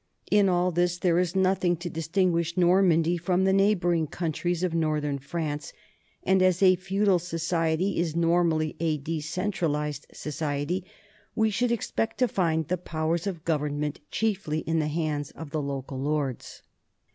In all this there is nothing to distinguish Normandy from the neighboring countries of northern France, and as a feudal society is normally a decentralized society, we should expect to find the powers of government chiefly in the hands of the local lords.